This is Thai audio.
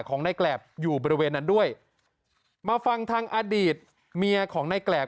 ของนายแกรบอยู่บริเวณนั้นด้วยมาฟังทางอดีตเมียของในแกรบ